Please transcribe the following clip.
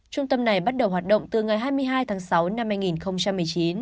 trung tâm này bắt đầu hoạt động từ ngày hai mươi hai tháng sáu năm hai nghìn một mươi chín